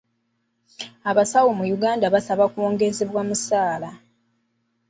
Abasawo mu Uganda basaba kwongezebwa musaala.